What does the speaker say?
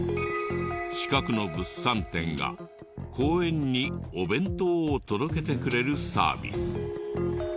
近くの物産店が公園にお弁当を届けてくれるサービス。